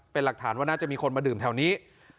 เป็นหลักฐานว่าน่าจะมีคนมาดื่มแถวนี้